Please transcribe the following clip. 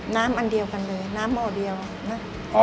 อันเดียวกันเลยน้ำหม้อเดียวนะ